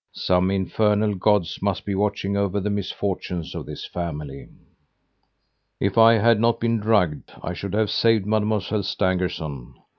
"Some infernal gods must be watching over the misfortunes of this family! If I had not been drugged, I should have saved Mademoiselle Stangerson.